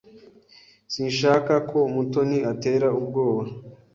Sinshaka ko Mutoni atera ubwoba.